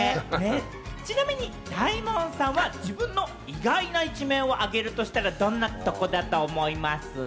ちなみに大門さんは自分の意外な一面を挙げるとしたら、どんなとこだと思います？